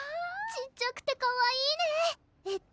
小っちゃくてかわいいねぇえっと